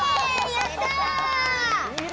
やった！